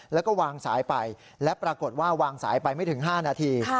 แล้วก็วางสายไปและปรากฏว่าวางสายไปไม่ถึง๕นาที